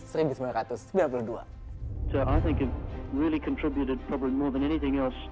saya pikir itu benar benar berkontribusi lebih dari apa apa